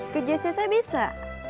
ke jcc bisa